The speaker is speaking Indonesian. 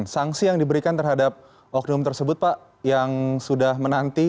sanksi yang diberikan terhadap oknum tersebut pak yang sudah menanti